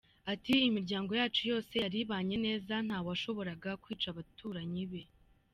Ati “Imiryango yacu yose yari ibanye neza, nta washoboraga kwica abaturanyi be.